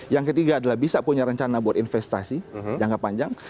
yang ketiga adalah bisa punya rencana buat investasi jangka panjang